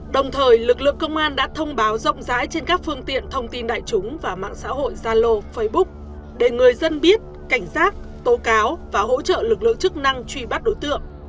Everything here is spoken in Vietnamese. đồng thời lực lượng công an đã thông báo rộng rãi trên các phương tiện thông tin đại chúng và mạng xã hội zalo facebook để người dân biết cảnh giác tố cáo và hỗ trợ lực lượng chức năng truy bắt đối tượng